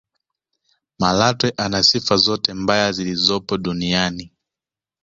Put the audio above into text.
malatwe ana sifa zote mbaya zilizopo duniania